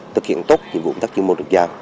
thực hiện tốt nhiệm vụ tác chứng môn được giao